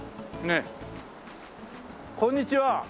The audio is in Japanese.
あっこんにちは。